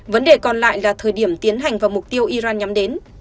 vấn đề còn lại là thời điểm tiến hành vào mục tiêu iran nhắm đến